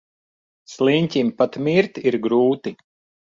Sliņķim pat mirt ir grūti.